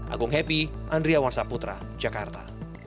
agung happy andri awan saputra jakarta